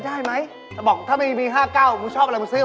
หอยหิบหอยหิบฮื้อฮื้อ